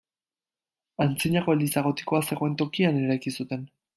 Antzinako eliza gotikoa zegoen tokian eraiki zuten.